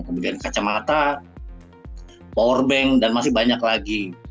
kemudian kacamata powerbank dan masih banyak lagi